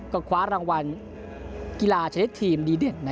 ก็คว้ารางวัลกีฬาชนิดทีมดีเด่น